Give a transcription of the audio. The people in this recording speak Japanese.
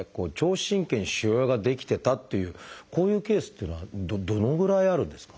神経に腫瘍が出来てたっていうこういうケースっていうのはどのぐらいあるんですか？